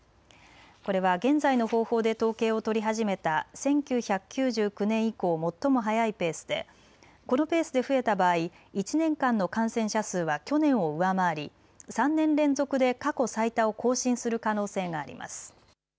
これは現在の方法で統計を取り始めた１９９９年以降最も速いペースでこのペースで増えた場合、１年間の感染者数は去年を上回り３年連続で過去最多を更新する可能性があります。